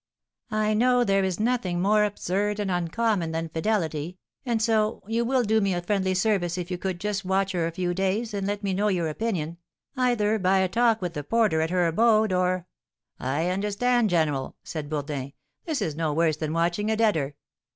I know there is nothing more absurd and uncommon than fidelity, and so you will do me a friendly service if you could just watch her for a few days and let me know your opinion, either by a talk with the porter at her abode or " "I understand, general," said Bourdin; "this is no worse than watching a debtor.